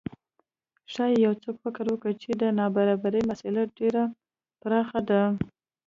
ښايي یو څوک فکر وکړي چې د نابرابرۍ مسئله ډېره پراخه ده.